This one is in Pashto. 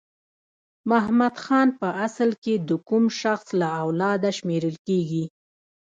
محمد خان په اصل کې د کوم شخص له اولاده شمیرل کیږي؟